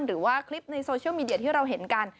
หรือว่าคลิปในโซเชียลมีเดียที่เราเห็นกัน